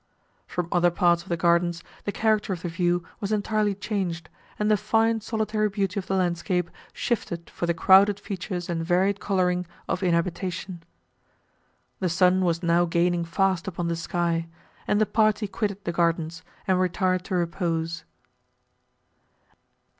From other parts of the gardens, the character of the view was entirely changed, and the fine solitary beauty of the landscape shifted for the crowded features and varied colouring of inhabitation. The sun was now gaining fast upon the sky, and the party quitted the gardens, and retired to repose.